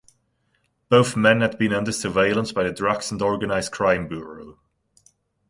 Both men had been under surveillance by the Drugs and Organised Crime Bureau.